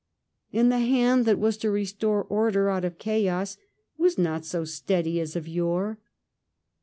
And the hand that was ix} restore order out of chaos was not so steady as of yore.